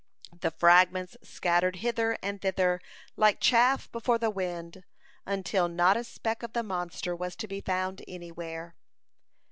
The fragments scattered hither and thither like chaff before the wind, until not a speck of the monster was to be found anywhere.